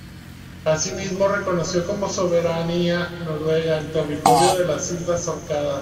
Asimismo, reconoció como soberanía noruega el territorio de las islas Órcadas.